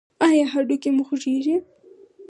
ایا هډوکي مو خوږیږي؟